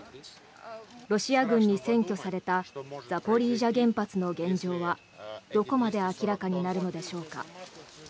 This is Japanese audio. ロシア軍に占拠されたザポリージャ原発の現状はどこまで明らかになるのでしょうか。